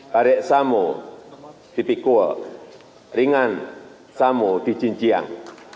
barek samu dipikul ringan samu dijinciang